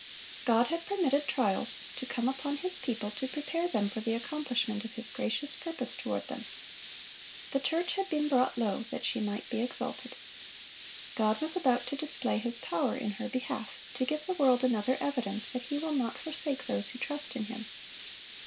God had permitted trials to come upon His people to prepare them for the accomplishment of His gracious purpose toward them. The church had been brought low, that she might be exalted. God was about to display His power in her behalf, to give to the world another evidence that He will not forsake those who trust in Him.